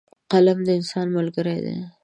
قلم د انسان ملګری دی.